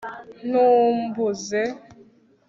ntumbuze